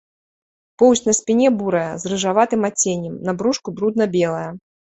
Поўсць на спіне бурая, з рыжаватым адценнем, на брушку брудна белая.